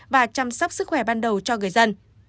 và chăm sóc sức khỏe ban đầu cho người dân